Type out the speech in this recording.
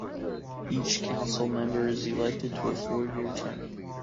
Each council member is elected to a four-year term.